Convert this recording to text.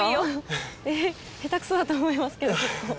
えっ下手くそだと思いますけど。